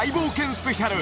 スペシャル！